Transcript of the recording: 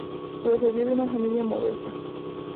Procedía de una familia modesta.